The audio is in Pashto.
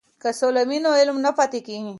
که سوله وي نو علم نه پاتې کیږي.